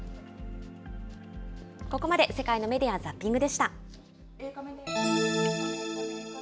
ここまで、世界のメディア・ザッピングでした。